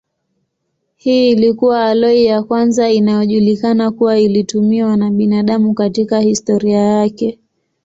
Hii ilikuwa aloi ya kwanza inayojulikana kuwa ilitumiwa na binadamu katika historia yake.